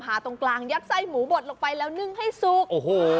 พาตรงกลางยักษ์ไส้หมูบดลงไปแล้วนึ่งให้สุก